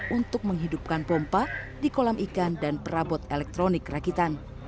untuk menghidupkan pompa di kolam ikan dan perabot elektronik rakitan